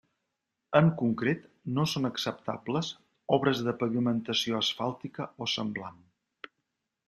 En concret, no són acceptables obres de pavimentació asfàltica o semblant.